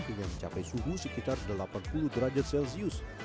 hingga mencapai suhu sekitar delapan puluh derajat celcius